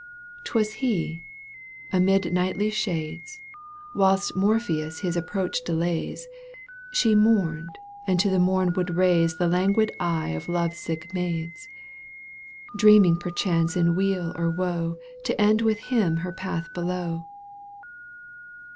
'Twas he whom, amid nightly shades, Whilst Morpheus his approach delays, She mourned and to the moon would raise The languid eye of love sick maids. Dreaming perchance in weal or woe To end with him her path below.